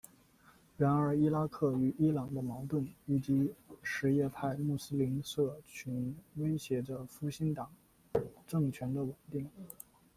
然而伊拉克与伊朗的矛盾以及什叶派穆斯林社群威胁着复兴党政权的稳定。